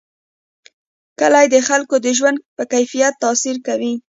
کلي د خلکو د ژوند په کیفیت تاثیر کوي.